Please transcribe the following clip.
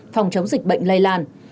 phòng chống dịch bệnh lây lan